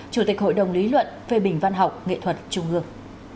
chủ tịch hội đồng lý luận phê bình văn học nghệ thuật trung ương